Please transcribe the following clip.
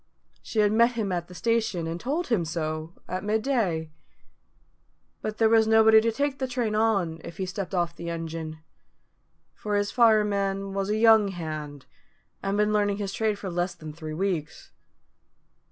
She had met him at the station, and told him so, at midday. But there was nobody to take the train on, if he stepped off the engine; for his fireman was a young hand, and had been learning his trade for less than three weeks.